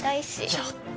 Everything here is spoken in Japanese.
ちょっと！